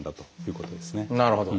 なるほど。